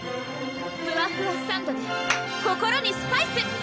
ふわふわサンドｄｅ心にスパイス！